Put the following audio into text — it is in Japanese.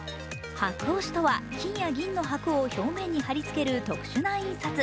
箔押しとは、金や銀の箔を表面に貼り付ける特殊な印刷。